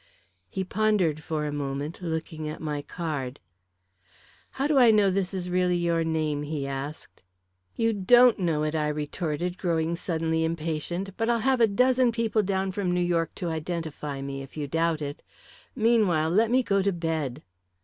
He pondered for a moment, looking at my card. "How do I know this is really your name?" he asked. "You don't know it," I retorted, growing suddenly impatient. "But I'll have a dozen people down from New York to identify me, if you doubt it. Meanwhile, let me go to bed."